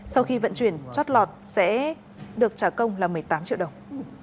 sau khi vận chuyển chót lọt sẽ được trả công là một mươi tám triệu đồng